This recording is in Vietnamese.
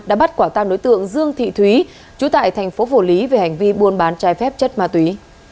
đã bắt quả tang đối tượng dương thị thúy chú tại thành phố phủ lý về hành vi buôn bán trái phép chất ma túy